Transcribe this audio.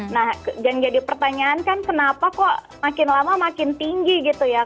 nah jadi pertanyaan kan kenapa kok makin lama makin tinggi kasus bullying ini